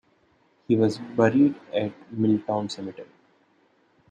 He was buried at Milltown Cemetery.